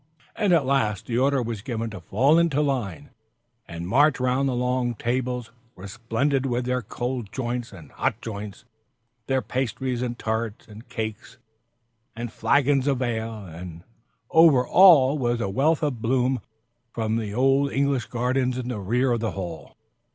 And at last, the order was given to fall into line, and march around the long tables resplendent with their cold joints and hot joints; their pasties, and tarts, and cakes, and great flagons of ale. And over all was a wealth of bloom from the big old English gardens in the rear of the old hall.